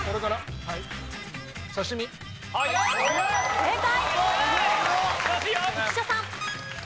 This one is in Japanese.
正解！